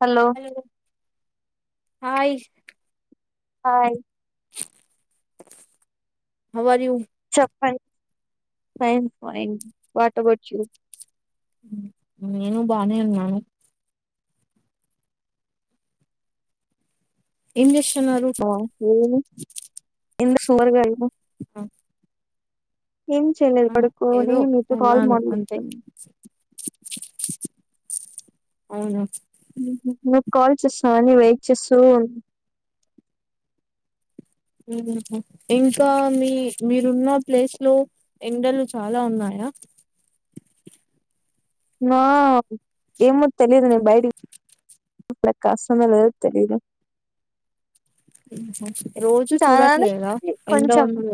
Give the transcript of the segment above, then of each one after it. Hello hi hi how are you చెప్ప fines fine what about you నేను బానే ఉన్నాను ఏం చేస్తుంటారు తరగ అ ఏం చేయలేదు ఆ పడుకొని ఏదో మీతో కాల్ ఉన్నాను అంతే మాట్లాడుతున్నా అవును నాకు కాల్ చేసాని వెయిట్ చేస్తా ఇంకా మీ మీరున్న ప్లేస్ లో ఎండలు చాలా ఉన్నాయి వివో ఏమి తెలిదు న బయ [unintelligible] నల తెలిదు రోజూ చూడట్లేదా ఉంది, ఎంత కొంచెం ఉంది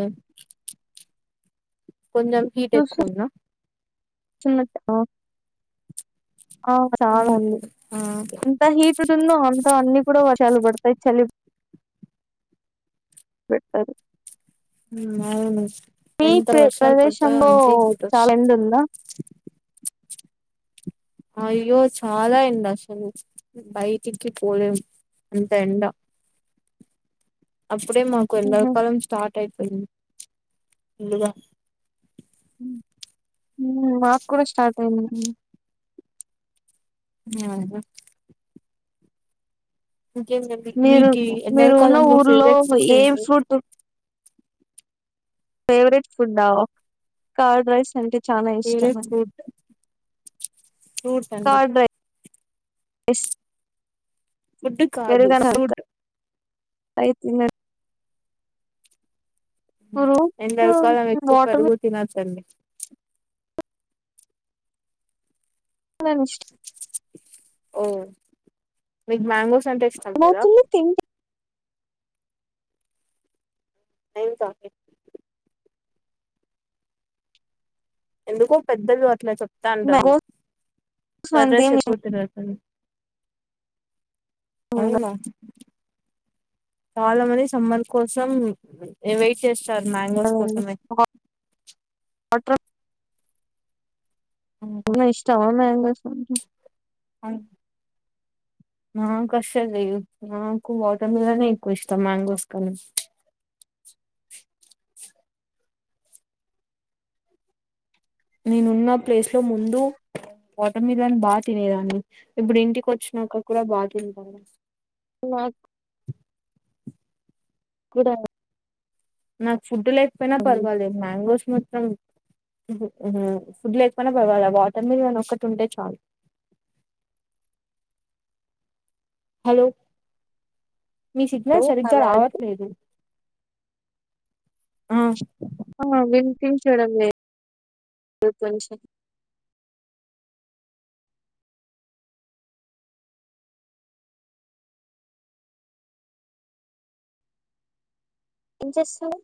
కొంచెం హీట్ ఎక్కువండి సన్నట్ ఆ మ్మ్. చాలండి ఆ ఎంత హీట్తు ఉందో అంత అన్నిీ కూడా వా చాలు పడతాయి చలి పెడతారు అవును మీ ప్ర- ఎంతవర్షం పెడిట్ ప్రదేశంలో చాలా ఎండ ఉందా అ అయ్యో చాలా ఏం అసలు బయటికి పోలేం అంత ఎంట అప్పుడే మాకు ఉహు ఎడాకాలం స్టార్ట్ అయిపోయింది ముందుగా నాకు కూడా స్టార్ట్ అయింది అ ఇకే మీరు మీకు మీరు ఎన్నరి ఉన్న కాలంలో ఊర్లో ఫేవరెట్ ఫుడ్ ఏ ఏంది ఫేవరేట్ ఫుడ్ కార్ రైస్ అ చాలా ఇష్టం ఫేవరెట్ అండి ఫ్రూట్ ఫ్రూట్ అండి కార్డ్ డ్రై అస్ ఫుడ్ కాదు ఫూట్ అయితున్నా ఎంద అ కాాలం ఫ్రూట్స్ ఎక్కువ వాటర్ పెరుగు తిన తంలి మిలన్ ఇష్టం ఓ మీకు మ్యాంగోస్ మాంగ్రెస్ అంటే ఇష్టం కదా ఏమవుతుంది తింటే నైన్ కే ఎందుకో పెద్దలు అట్లా చెప్తా అంటారు మ్యాంగోస్ సర్రస్ అంతేం ఎక్కువ ఇష్టం తినదు అని అవునా చాలా మంది సుమ కోసం వెయిట్ చేస్తా సార్ మ్యాంగోస్ ఉండదండి కోసమే వాటర్ ఇష్టం అన్నా ఎ వాటర్ మిలన్ ఎక్కువ ఇష్టం మ్యాంగోస్ కన్న నేనున్న ప్లేస్ లో ముందు ఓట మీద అని బాగా తినేదాన్ని ఇప్పుడు ఇంటికి వచ్చినాక కూడా బా తింటన్న నాకు కూడ నాకు ఫుడ్ లేకపోయినా పర్వాలే మ్యాంగోస్ మాత్రం ఫుడ్ లేకపోనా పవాలి వాటర్ మీల్ని ఒక్కటి ఉంటే చాలు హలో మీ హలో సిగ్నల్ సరిగ్గా ఆమె రావట్లేదు ఆ ఆ వినిపించడం లేదు కొంచం ఏం చేస్తున్నావ్